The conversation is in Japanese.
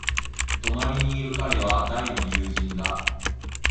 隣にいる彼は大の友人だ。